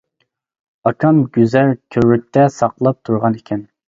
ئاكام گۈزەر كۆۋرۈكتە ساقلاپ تۇرغان ئىكەن.